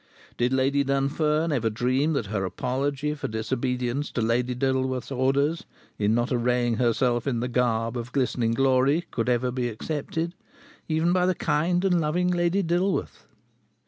Did Lady Dunfern ever dream that her apology for disobedience to Lady Dilworth's orders, in not arraying herself in the garb of glistening glory, could ever be accepted, even by the kind and loving Lady Dilworth?